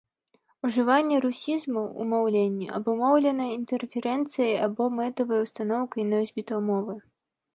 Ужыванне русізмаў у маўленні абумоўлена інтэрферэнцыяй або мэтавай устаноўкай носьбіта мовы.